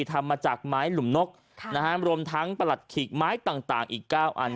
ทำมาจากไม้หลุมนกรวมทั้งประหลัดขีกไม้ต่างอีก๙อัน